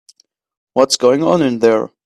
What's going on in there?